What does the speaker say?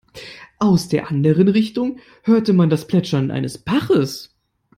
Aus der anderen Richtung hörte man das Plätschern eines Baches.